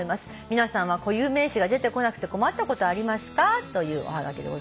「皆さんは固有名詞が出てこなくて困ったことありますか？」というおはがきでございます。